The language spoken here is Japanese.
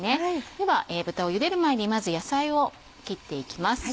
では豚をゆでる前にまず野菜を切っていきます。